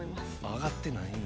上がってないんや。